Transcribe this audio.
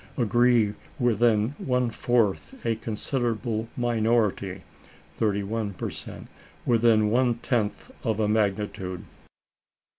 agree within one fourth, a considerable minority (31 per cent.) within one tenth of a magnitude.